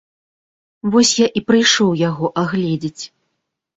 Вось я і прыйшоў яго агледзець.